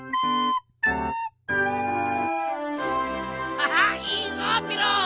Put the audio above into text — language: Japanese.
ハハッいいぞピロ！